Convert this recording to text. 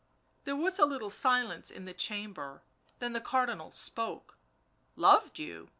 There was a little silence in the chamber, then the Cardinal spoke. u Loved you